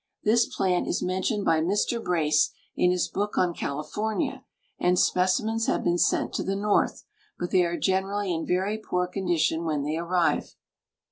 This plant is mentioned by Mr. Brace in his book on California, and specimens have been sent to the North, but they are generally in very poor condition when they arrive.